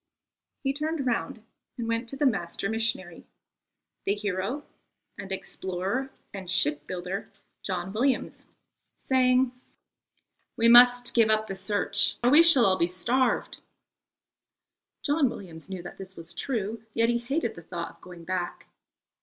He turned round and went to the master missionary the hero and explorer and shipbuilder, John Williams, saying: "We must give up the search or we shall all be starved." John Williams knew that this was true; yet he hated the thought of going back.